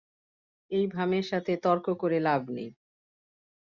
এই ভামের সাথে তর্ক করে লাভ নেই।